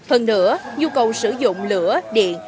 hơn nữa nhu cầu sử dụng lửa điện